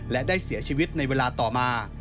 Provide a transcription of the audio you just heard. และได้เสียชีวิตในเวลาต่อมา